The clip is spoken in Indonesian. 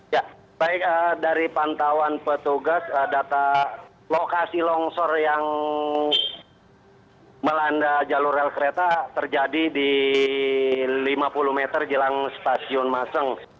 ya baik dari pantauan petugas data lokasi longsor yang melanda jalur rel kereta terjadi di lima puluh meter jelang stasiun maseng